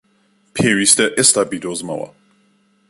پێویستە ئێستا بیدۆزمەوە!